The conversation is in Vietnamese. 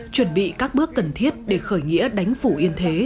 chuẩn bị các bước cần thiết để khởi nghĩa đánh phủ yên thế